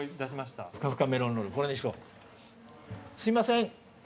すみません。